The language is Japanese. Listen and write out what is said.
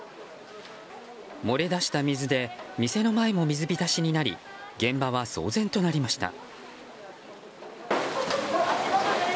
漏れ出した水で店の前も水浸しになり現場は騒然となりました。